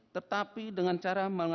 tetapi dengan cara